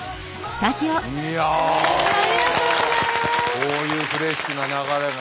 こういうフレッシュな流れが。